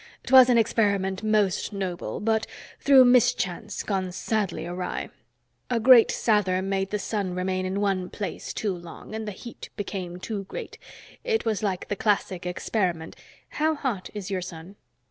"'Twas an experiment most noble, but through mischance going sadly awry. A great Sather made the sun remain in one place too long, and the heat became too great. It was like the Classic experiment " "How hot is your sun?"